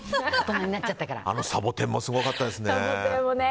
サボテンもすごかったですね。